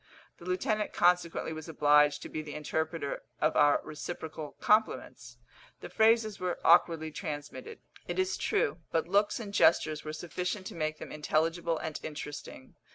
The lieutenant consequently was obliged to be the interpreter of our reciprocal compliments. The phrases were awkwardly transmitted, it is true; but looks and gestures were sufficient to make them intelligible and interesting.